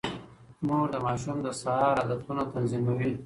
مور د ماشوم د سهار عادتونه تنظيموي.